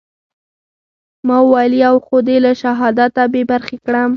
ما وويل يو خو دې له شهادته بې برخې کړم.